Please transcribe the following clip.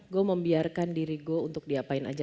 gue membiarkan diri gue untuk diapain aja